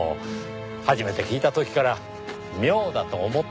初めて聞いた時から妙だと思っていました。